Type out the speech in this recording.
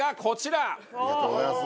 ありがとうございます！